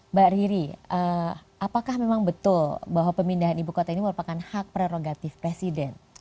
mbak riri apakah memang betul bahwa pemindahan ibu kota ini merupakan hak prerogatif presiden